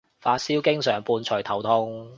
發燒經常伴隨頭痛